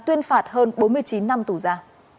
tuyên phạt hơn bốn mươi chín năm tù gia